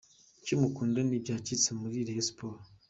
Icyo mukunda ni byacitse muri rayon gusa.